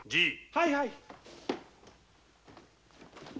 はいはい。